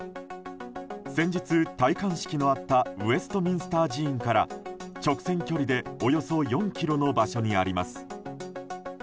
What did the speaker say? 先日、戴冠式のあったウェストミンスター寺院から直線距離でおよそ４ｋｍの場所にあります。